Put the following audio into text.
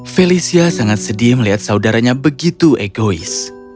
felicia sangat sedih melihat saudaranya begitu egois